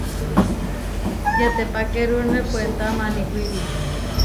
Yetepakérune puetá maniwíri.